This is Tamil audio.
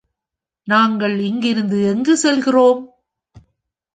நாங்கள் இங்கிருந்து எங்கு செல்கிறோம்?